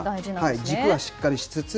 軸はしっかりしつつ。